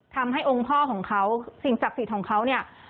ทำให้องค์พ่อของเขาสิ่งศักดิ์สิทธิ์ของเขาเนี่ย